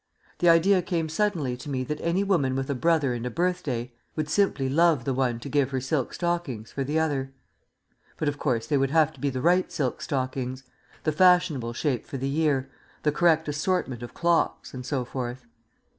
The idea came suddenly to me that any woman with a brother and a birthday would simply love the one to give her silk stockings for the other. But, of course, they would have to be the right silk stockings the fashionable shape for the year, the correct assortment of clocks, and so forth.